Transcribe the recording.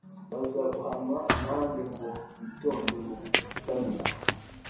Baza guhanwa na nde ngo bitonde mu gutamira